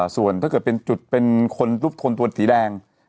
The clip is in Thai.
ส่วนถ้าเกิดเป็นจุดเป็นคนรูปคนตัวสีแดง